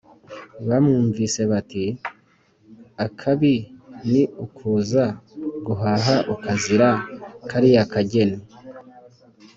bamwumvise bati"akabi ni ukuza guhaha ukazira kariya kageni.